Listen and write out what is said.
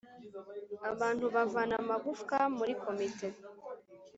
abantu bavana amagufwa muri komite